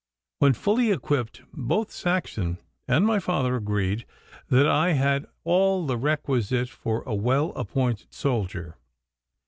When fully equipped, both Saxon and my father agreed that I had all that was requisite for a well appointed soldier.